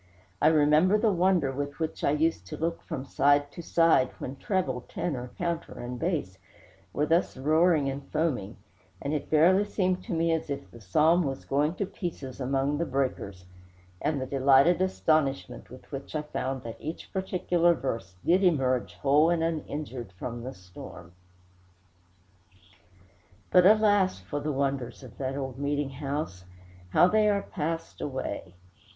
I remember the wonder with which I used to look from side to side when treble, tenor, counter, and bass were thus roaring and foaming, and it verily seemed to me as if the psalm was going to pieces among the breakers, and the delighted astonishment with which I found that each particular verse did emerge whole and uninjured from the storm. But alas for the wonders of that old meeting house, how they are passed away!